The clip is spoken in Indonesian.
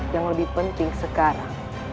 yang lebih penting sekarang